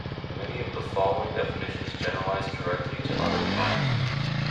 Many of the following definitions generalize directly to other primes.